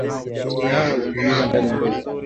Bakteria hao hujipenyeza ndani ya ngozi